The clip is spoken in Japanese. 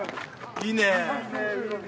いいねえ。